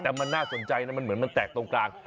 แต่มันน่าสนใจนะมันเหมือนมันแตกตรงกลาง